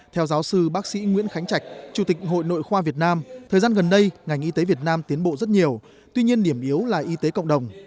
theo giáo sư bác sĩ nguyễn khánh trạch chủ tịch hội nội khoa việt nam thời gian gần đây ngành y tế việt nam tiến bộ rất nhiều tuy nhiên điểm yếu là y tế cộng đồng